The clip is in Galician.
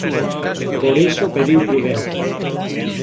Por iso pediu prudencia.